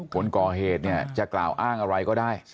คนก่อเหตุเนี่ยจะกล่าวอ้างอะไรก็ได้